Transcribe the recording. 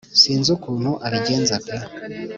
sinzi ukuntu abigenza pe